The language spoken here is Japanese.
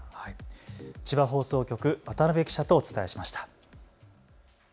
千葉放送局、渡辺記者とお伝えしました。